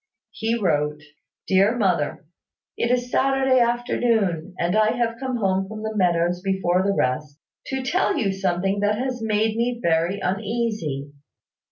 He wrote, "Dear Mother, "It is Saturday afternoon, and I have come home from the meadows before the rest, to tell you something that has made me very uneasy.